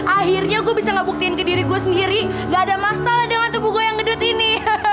akhirnya gua bisa ngebuktiin ke diri gua sendiri gak ada masalah dengan tubuh gua yang gede ini